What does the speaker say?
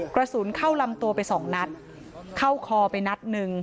กระสุนเข้าลำตัวไปสองนัดเข้าคอไปนัดหนึ่ง